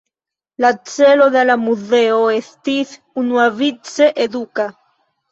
La celo de la muzeo estis unuavice eduka.